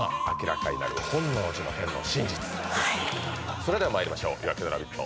それではまいりましょう「夜明けのラヴィット！」